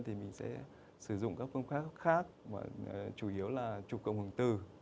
thì mình sẽ sử dụng các phương pháp khác chủ yếu là trục cộng hồng tử